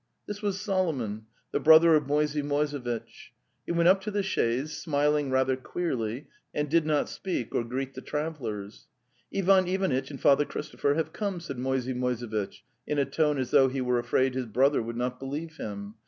This was Solomon, the brother of Moisey Moise vitch. He went up to the chaise, smiling rather queerly, and did not speak or greet the travellers. '"Tvan Ivanitch and Father Christopher have come," said Moisey Moisevitch in a tone as though he were afraid his brother would not believe him.